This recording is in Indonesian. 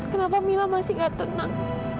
kenapa mila masih gak tenang